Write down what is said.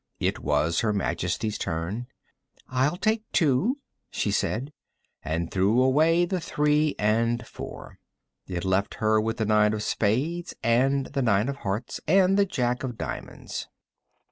It was Her Majesty's turn. "I'll take two," she said, and threw away the three and four. It left her with the nine of spades and the nine of hearts, and the Jack of diamonds.